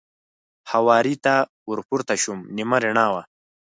هوارې ته ور پورته شوم، نیمه رڼا وه.